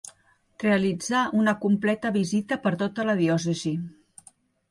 Realitzà una completa visita per tota la diòcesi.